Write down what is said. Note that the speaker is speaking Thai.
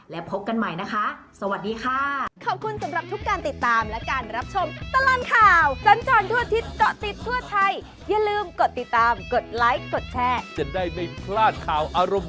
และพบกันใหม่นะคะสวัสดีค่ะ